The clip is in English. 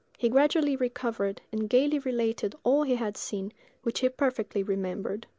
He gradually recovered, and gayly related all he had seen, which he perfectly remembered.